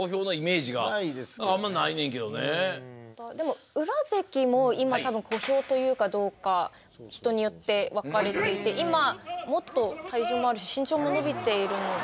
やっぱでも宇良関も今多分小兵というかどうか人によって分かれていて今もっと体重もあるし身長も伸びているので。